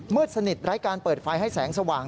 สนิทไร้การเปิดไฟให้แสงสว่าง